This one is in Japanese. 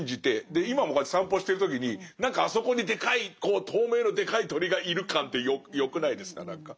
で今もこうやって散歩してる時に何かあそこにでかいこう透明のでかい鳥がいる感ってよくないですか何か。